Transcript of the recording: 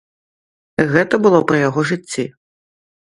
Гэта было пры яго жыцці.